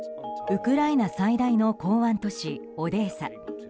ウクライナ最大の港湾都市オデーサ。